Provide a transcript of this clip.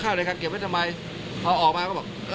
ในการเก็บไว้ทำไมพอออกมาก็บอก